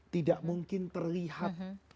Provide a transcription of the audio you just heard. tidak mungkin terlihat